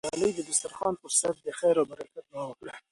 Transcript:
ګلالۍ د دسترخوان په سر د خیر او برکت دعا وکړه.